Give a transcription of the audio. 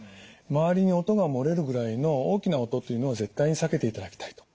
周りに音が漏れるぐらいの大きな音というのを絶対に避けていただきたい。